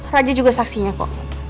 raja juga saksinya kok